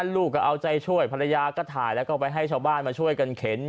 ลูกก็เอาใจช่วยภรรยาก็ถ่ายแล้วก็ไปให้ชาวบ้านมาช่วยกันเข็น